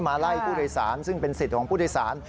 มาไล่ผู้โดยสารซึ่งเป็นสิทธิ์ของผู้โดยสาร